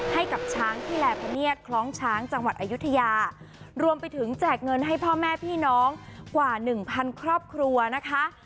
ให้กับช้างที่แลพเนียดคล้องช้างจังหวัดอายุทยารวมไปถึงแจกเงินให้พ่อแม่พี่น้องกว่าหนึ่งพันครอบครัวนะคะ